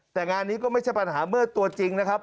แต่งานนี้ก็ไม่ใช่ปัญหามืดตัวจริงนะครับ